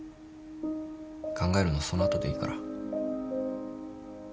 考えるのはその後でいいから。